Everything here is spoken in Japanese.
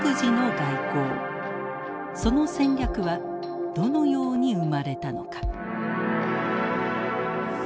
その戦略はどのように生まれたのか。